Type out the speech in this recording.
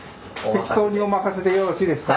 適当にお任せでよろしいですか？